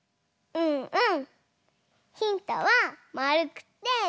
うんうん。